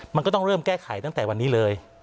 มันก็ต้องเริ่มแก้ไขตั้งแต่วันนี้เลย